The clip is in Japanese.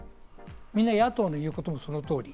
みんな野党の言うこともその通り。